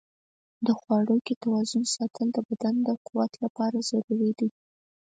د خواړو کې توازن ساتل د بدن د قوت لپاره ضروري دي.